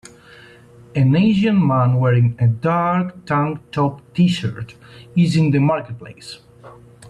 An Asian man wearing a dark tank top tshirt is in the marketplace.